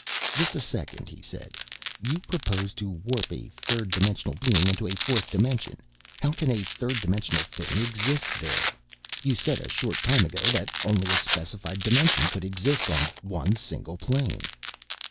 "Just a second," he said. "You propose to warp a third dimensional being into a fourth dimension. How can a third dimensional thing exist there? You said a short time ago that only a specified dimension could exist on one single plane."